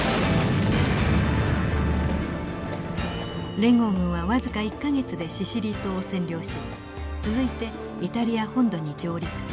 連合軍は僅か１か月でシシリー島を占領し続いてイタリア本土に上陸。